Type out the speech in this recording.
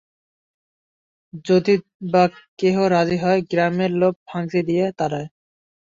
যদি বা কেহ রাজি হয়, গ্রামের লোকে ভাংচি দিয়া তাড়ায়।